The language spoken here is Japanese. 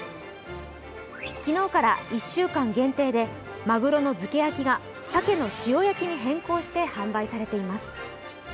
昨日から１週間限定で鮪の漬け焼が鮭の塩焼きに変更して販売されています。